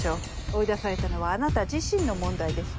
追い出されたのはあなた自身の問題です。